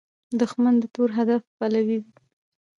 دښمن د تور هدف پلوي وي